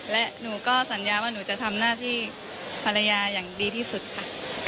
และหนูก็สัญญาว่าหนูจะทำหน้าที่ภรรยาอย่างดีที่สุดค่ะ